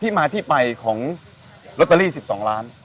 ที่มาที่ไปของการรอตเตอรี่๑๒ล้าน